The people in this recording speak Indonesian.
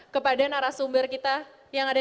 kepada narasumber kita